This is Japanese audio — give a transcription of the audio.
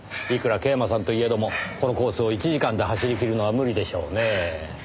いくら桂馬さんといえどもこのコースを１時間で走りきるのは無理でしょうねぇ。